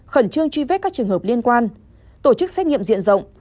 khẩn trương truy vết các trường hợp liên quan tổ chức xét nghiệm diện rộng